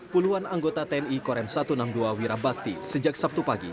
puluhan anggota tni korem satu ratus enam puluh dua wirabakti sejak sabtu pagi